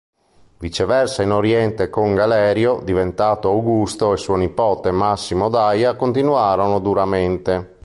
Viceversa in Oriente con Galerio, diventato Augusto, e suo nipote Massimino Daia, continuarono duramente.